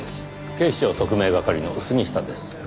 警視庁特命係の杉下です。